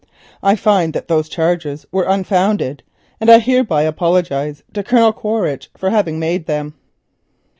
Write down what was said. I find that those charges were unfounded, and I hereby apologise to Colonel Quaritch for having made them."